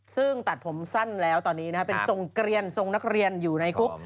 ซึ่งตัดผมสั้นแล้วตอนนี้นะครับเป็นทรงนักเรียนอยู่ในคุก